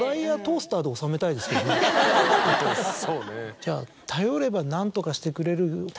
じゃあ頼れば何とかしてくれる。